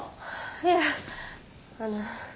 いやあの。